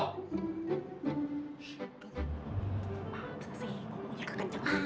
maksudnya sih ngomongnya kekencangan